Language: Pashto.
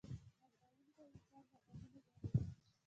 • خندېدونکی انسان له غمونو لرې وي.